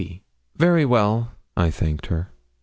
'Very well,' I thanked her.